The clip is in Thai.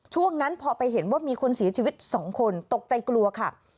ช่วงนั้นพอไปเห็นว่ามีคนเสียชีวิต๒คนตกใจกลัวค่ะ